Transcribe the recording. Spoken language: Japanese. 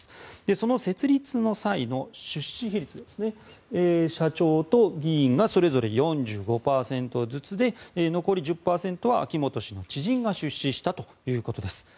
その設立の際の出資比率は社長と議員がそれぞれ４５％ずつで残り１０％は秋本氏の知人が出資したということです。